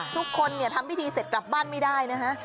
ทุกคนเนี่ยทำพิธีเสร็จกลับบ้านไม่ได้นะฮะ